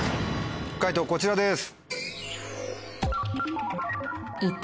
解答こちらです。